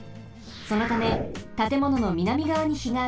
そのためたてものの南がわにひがあたります。